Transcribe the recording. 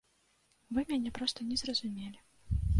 Вы мяне проста не зразумелі.